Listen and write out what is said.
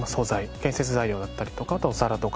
建設材料だったりとかあとお皿とか。